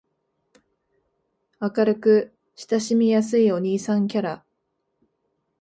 明るく親しみやすいお兄さんキャラ